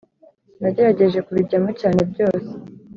sinagerageje kubijyamo cyane byose